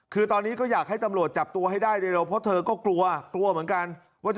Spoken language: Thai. คือตอนนี้ก็อยากให้ตำรวจจับตัวให้ได้เลย